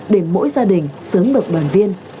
để mỗi gia đình sớm được bàn viên